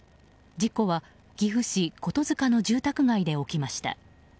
事故は岐阜市琴塚の住宅街で起きました。